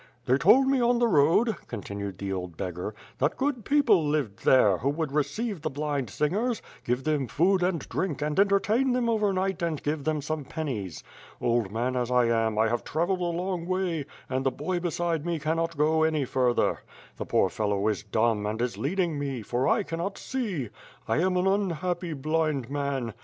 "They told me on the road," contiued the old beggar, "that good people lived there, who would receive the blind singers, give them food and drink and entertain them over night and give them some pennies. Old man as I am, I have travelled a long way, and the boy beside me cannot go any further. The 264 ^^^^^^^^^^'^ 8W0RD. poor fellow is dumb, and is leading me, for I cannot see. I am an unhappy, blind man.